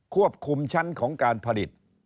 ควบคุมชั้นของการผลิต